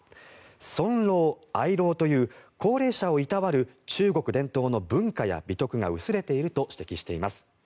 尊老愛老という高齢者をいたわる中国伝統の文化や美徳が薄れていると指摘しています。